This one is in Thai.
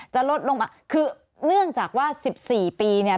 จะลดลงมาคือเนื่องจากว่า๑๔ปีเนี่ย